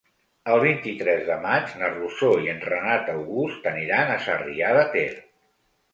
El vint-i-tres de maig na Rosó i en Renat August aniran a Sarrià de Ter.